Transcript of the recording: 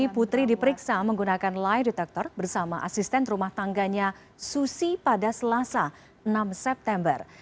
putri diperiksa menggunakan lie detector bersama asisten rumah tangganya susi pada selasa enam september